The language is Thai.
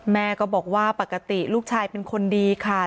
แม่ก็บอกว่าปกติลูกชายเป็นคนดีค่ะ